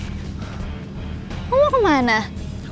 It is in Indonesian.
kok perasaan gue gak enak ini